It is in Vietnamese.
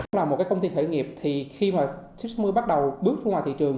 nói chung là một công ty khởi nghiệp thì khi mà sip sáu mươi bắt đầu bước ra ngoài thị trường